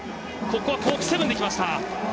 ここはコーク７２０できました。